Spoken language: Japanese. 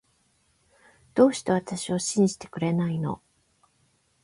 どうして私を信じてくれないの